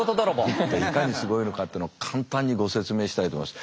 いかにすごいのかっていうのを簡単にご説明したいと思います。